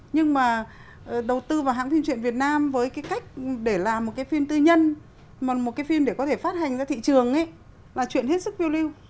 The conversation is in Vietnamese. nhưng mà đầu tư vào hãng phim truyện việt nam với cái cách để làm một cái phim tư nhân một cái phim để có thể phát hành ra thị trường là chuyện hết sức phiêu lưu